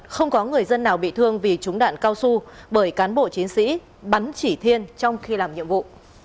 không có người dân nào bị thương vì trúng đạn cao su bởi cán bộ chiến sĩ bắn chỉ thiên trong khi làm nhiệm vụ